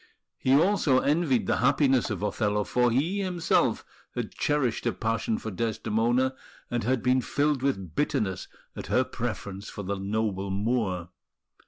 He also envied the happiness of Othello; for he himself had cherished a passion for Desdemona, and had been filled with bitterness at her preference for the noble Moor.